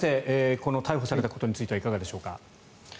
この逮捕されたことについてはいかがでしょうか。